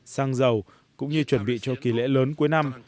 sang giàu cũng như chuẩn bị cho kỳ lễ lớn cuối năm